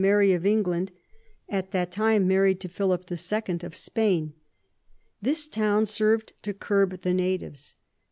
Mary of England, at that time marry'd to Philip II. of Spain. This Town serv'd to curb the Natives.